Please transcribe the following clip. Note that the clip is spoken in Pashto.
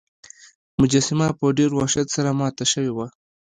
مجسمه په ډیر وحشت سره ماته شوې وه.